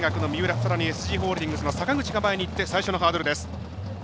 さらにＳＧホールディングスの阪口が前にいって最初のハードルです。